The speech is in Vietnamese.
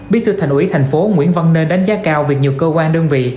bí thư thành ủy tp nguyễn văn nên đánh giá cao việc nhiều cơ quan đơn vị